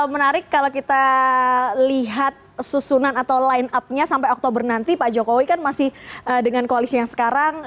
menarik kalau kita lihat susunan atau line up nya sampai oktober nanti pak jokowi kan masih dengan koalisi yang sekarang